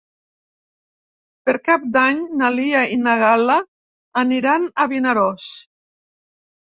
Per Cap d'Any na Lia i na Gal·la aniran a Vinaròs.